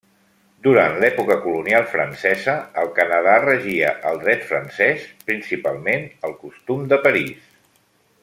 Durant l'època colonial francesa, al Canadà regia el dret francès, principalment el Costum de París.